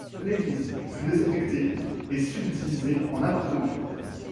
L’église fut désaffectée et subdivisée en appartements.